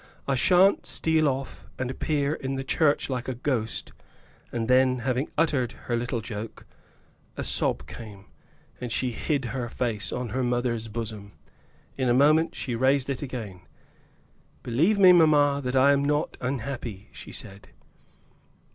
I shan't steal off and appear in the church like a ghost." And then, having uttered her little joke, a sob came, and she hid her face on her mother's bosom. In a moment she raised it again. "Believe me, mamma, that I am not unhappy," she said.